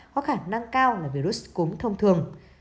có khả năng cao là virus cúm thông thường